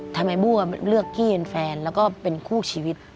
ทำไมบู้เลือกกี้เป็นแฟนแล้วก็เป็นคู่ชีวิต